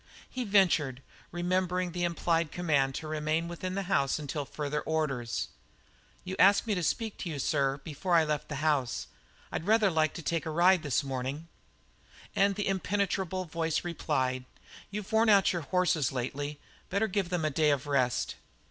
He ventured, remembering the implied command to remain within the house until further orders: "You asked me to speak to you, sir, before I left the house. I'd rather like to take a ride this morning." And the imperturbable voice replied: "You've worn your horses out lately. Better give them a day of rest."